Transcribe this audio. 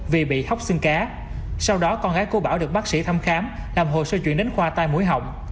vì bị hóc xương cá sau đó con gái của bảo được bác sĩ thăm khám làm hồ sơ chuyển đến khoa tai mũi họng